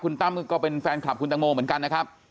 ตั้มก็เป็นแฟนคลับคุณตังโมเหมือนกันนะครับ